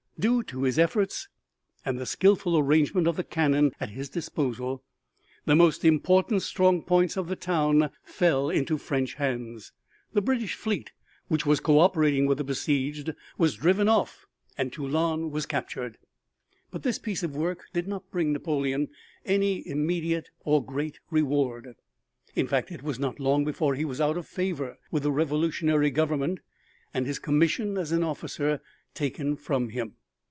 Due to his efforts and the skilful arrangement of the cannon at his disposal, the most important strong points of the town fell into French hands, the British fleet, which was cooperating with the besieged, was driven off, and Toulon was captured. But this piece of work did not bring Napoleon any immediate or great reward; in fact it was not long before he was out of favor with the Revolutionary Government and his commission as an officer taken from him.